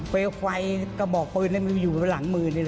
ไปไฟกระบอกปืนมันอยู่หลังมือเลย